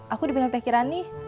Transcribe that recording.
aku dibingung teh kirani